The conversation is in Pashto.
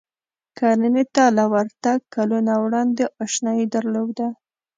کرنې ته له ورتګ کلونه وړاندې اشنايي درلوده.